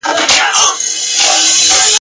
مشوره به هم مني د ګیدړانو ..